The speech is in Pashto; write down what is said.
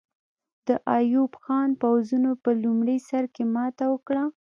د ایوب خان پوځونو په لومړي سر کې ماته وکړه.